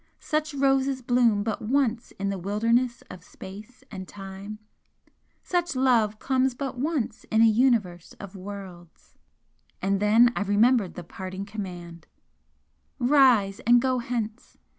Such roses bloom but once in the wilderness of space and time; such love comes but once in a Universe of worlds!" And then I remembered the parting command: "Rise and go hence!